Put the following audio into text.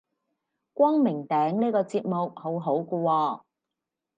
光明頂呢個節目好好個喎